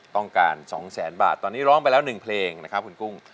ต้องการ๒แสนบาทตอนนี้ร้องไปแล้ว๑เพลงนะครับคุณกุ้ง